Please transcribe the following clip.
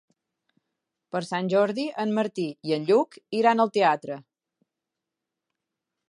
Per Sant Jordi en Martí i en Lluc iran al teatre.